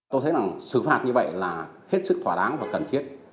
tôi thấy là xử phạt như vậy là hết sức thỏa đáng và cần thiết